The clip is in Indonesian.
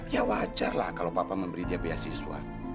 ya wajarlah kalau papa memberi dia beasiswa